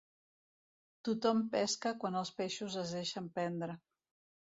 Tothom pesca quan els peixos es deixen prendre.